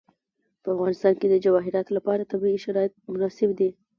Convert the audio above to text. په افغانستان کې د جواهرات لپاره طبیعي شرایط مناسب دي.